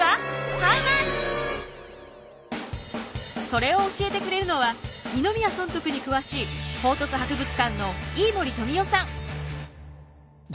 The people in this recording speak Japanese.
それを教えてくれるのは二宮尊徳に詳しい報徳博物館の飯森富夫さん。